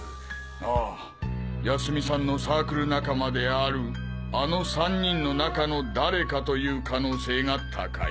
あぁ泰美さんのサークル仲間であるあの３人の中の誰かという可能性が高い。